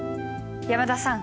山田さん